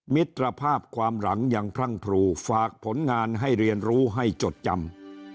มิตรภาพความหลังยังพรั่งพรูฝากผลงานให้เรียนรู้ให้จดจำ